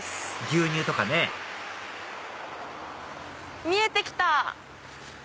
牛乳とかね見えて来た。